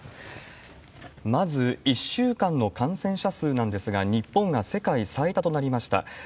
まず、１週間の感染者数なんですが、日本が世界最多となりました。